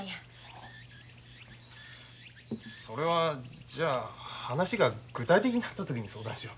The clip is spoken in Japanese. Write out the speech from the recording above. それはじゃあ話が具体的になった時に相談しよう。